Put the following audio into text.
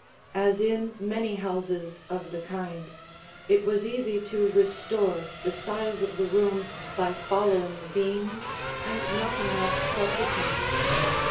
As in many houses of the kind, it was easy to restore the size of the room by following beams and knocking out partitions.